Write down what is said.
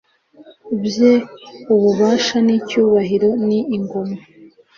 bye. ububasha n'icyubahiro, ni ingoma